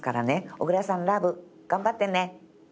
小倉さんラブ。頑張ってね！